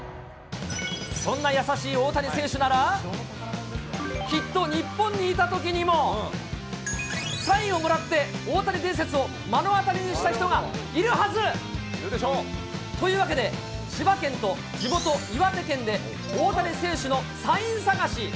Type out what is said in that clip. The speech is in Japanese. そんな優しい大谷選手なら、きっと日本にいたときにも、サインをもらって大谷伝説を目の当たりにした人がいるはず。というわけで、千葉県と地元、岩手県で大谷選手のサイン探し。